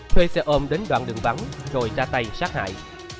thuê xe ôm đến đoạn đường vắng rồi ra tay sát hại